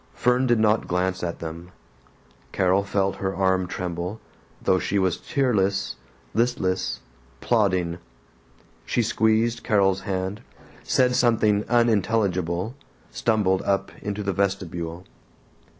Fern did not glance at them. Carol felt her arm tremble, though she was tearless, listless, plodding. She squeezed Carol's hand, said something unintelligible, stumbled up into the vestibule.